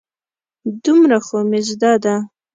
دومره خو مې زده ده.